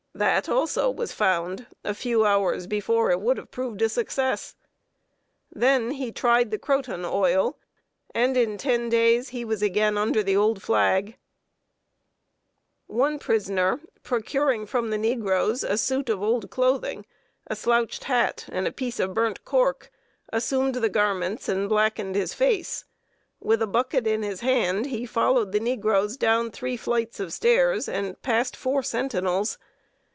That also was found, a few hours before it would have proved a success. Then he tried the croton oil, and in ten days he was again under the old flag. [Sidenote: ESCAPE BY PLAYING NEGRO.] One prisoner, procuring from the negroes a suit of old clothing, a slouched hat, and a piece of burnt cork, assumed the garments, and blackened his face. With a bucket in his hand, he followed the negroes down three flights of stairs and past four sentinels.